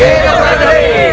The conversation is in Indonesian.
hei hidup beragami